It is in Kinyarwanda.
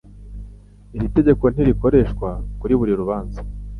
Iri tegeko ntirikoreshwa kuri buri rubanza.